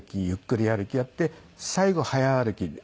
ゆっくり歩きやって最後速歩き